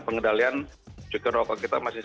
pengendalian cukai rokok kita masih